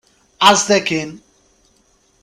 Aẓet akkin!